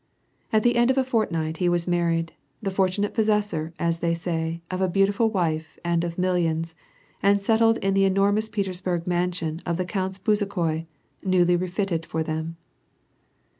At the end of a fortnight he was married, the fortunate possessor, as they say, of a beautiful wife and of millions, and settled in the enormous I'etersburg mansion of the Counts Bezukhoi, newly refitted for them.